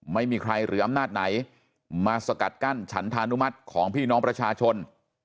ไม่มีใครหรืออำนาจไหนมาสกัดกั้นฉันธานุมัติของพี่น้องประชาชน